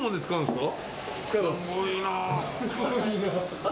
すごいなあ。